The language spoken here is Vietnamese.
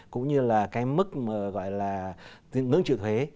cũng như là cái mức gọi là ngưỡng trự thuế